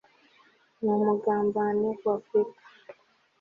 n'umugabane wa afurika